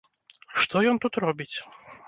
Што ён тут робіць?